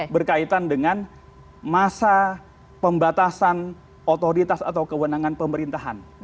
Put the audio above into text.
berkaitan dengan masa pembatasan otoritas atau kewenangan pemerintahan